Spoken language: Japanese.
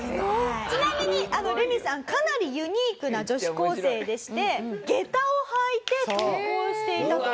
ちなみにレミさんかなりユニークな女子高生でして下駄を履いて登校していたと。